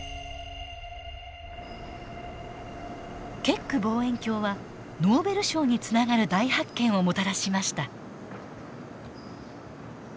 ケック望遠鏡はノーベル賞につながる大発見をもたらしました。